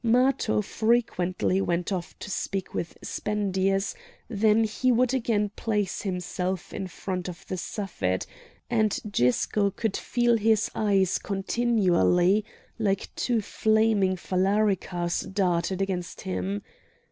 Matho frequently went off to speak with Spendius; then he would again place himself in front of the Suffet, and Gisco could feel his eyes continually like two flaming phalaricas darted against him.